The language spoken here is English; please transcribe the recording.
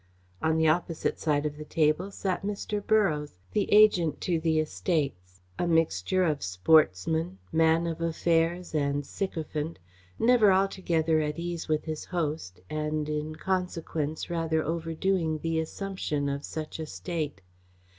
On the opposite side of the table sat Mr. Borroughes, the agent to the estates; a mixture of sportsman, man of affairs and sycophant, never altogether at ease with his host and, in consequence, rather overdoing the assumption of such a state.